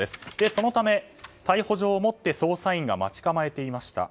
そのため、逮捕状を持って捜査員が待ち構えていました。